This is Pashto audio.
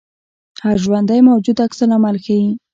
هر ژوندی موجود عکس العمل ښيي